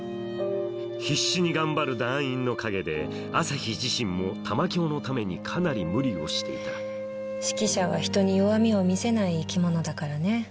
⁉必死に頑張る団員の陰で朝陽自身も玉響のためにかなり無理をしていた指揮者は人に弱みを見せない生き物だからね。